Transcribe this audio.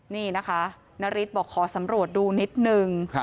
นี่นะคะนาริสบอกขอสำรวจดูนิดนึง